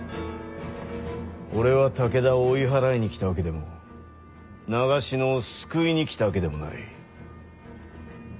俺は武田を追い払いに来たわけでも長篠を救いに来たわけでもない。